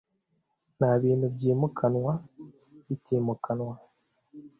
nta bintu byimukanwa bitimukanwa